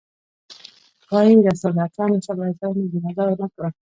وايي رسول اکرم ص يې جنازه ونه کړه.